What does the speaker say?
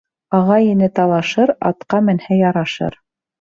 Ағай-эне талашыр, атҡа менһә, ярашыр.